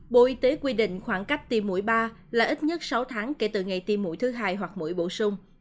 bộ y tế quy định khoảng cách tiêm mũi ba là ít nhất sáu tháng kể từ ngày tiêm mũi thứ hai hoặc mũi bổ sung